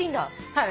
はい。